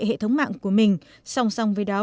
hệ thống mạng của mình song song với đó